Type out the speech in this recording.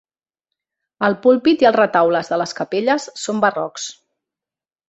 El púlpit i els retaules de les capelles són barrocs.